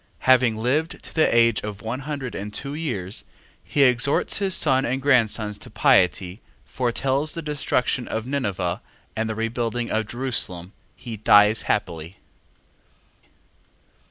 Having lived to the age of one hundred and two years, he exhorts his son and grandsons to piety, foretells the destruction of Ninive and the rebuilding of Jerusalem: he dies happily.